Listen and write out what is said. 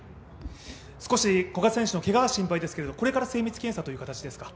少し古賀選手のけがが心配ですけど、これから精密検査という形ですか？